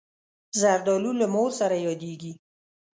زردالو له مور سره یادېږي.